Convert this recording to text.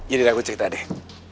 jadi aku cerita deh